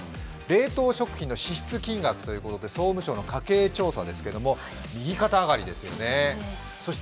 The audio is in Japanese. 冷凍食品の支出金額ということで、総務省の家計調査ですけれども、右肩上がりですよね。